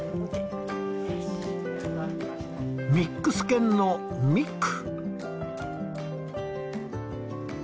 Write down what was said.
ミックス犬のミック。